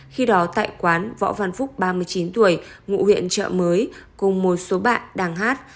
khi đó tại quán võ văn phúc ba mươi chín tuổi ngụ huyện trợ mới cùng một số bạn đang hát